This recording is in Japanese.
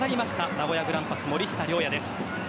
名古屋グランパス・森下龍矢です。